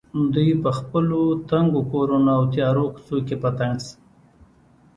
دوی په خپلو تنګو کورونو او تیارو کوڅو کې په تنګ شي.